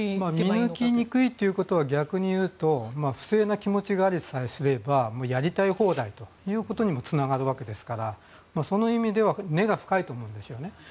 見抜きにくいということは逆に言うと不正な気持ちがありさえすればやりたい放題ということにもつながるわけですからその意味では根が深いと思うんですね。